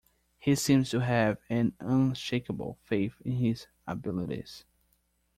He seems to have an unshakeable faith in his abilities.